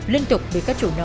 liên tục bị các chủ nợ đòi tiền